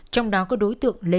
trong đó có đối tượng lê văn